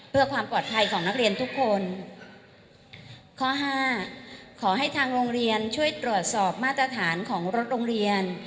เพื่อความปลอดภัยของนักเรียนทุกคนข้อห้าขอให้ทางโรงเรียนช่วยตรวจสอบมาตรฐานของรถโรงเรียน